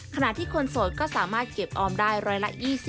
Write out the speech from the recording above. ขณะที่คนโสดก็สามารถเก็บออมได้๑๒๐